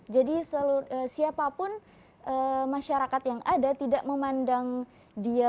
jadi siapapun masyarakat yang ada tidak memandang dia